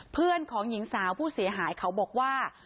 เพื่อนของหญิงสาวผู้เสียหายเขาบอกว่า